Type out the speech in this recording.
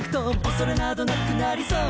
「恐れなどなくなりそうだな」